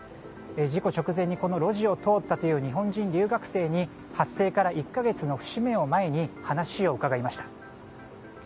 事故直前に、この路地を通ったという日本人留学生に発生から１か月の節目を前に話を伺いました。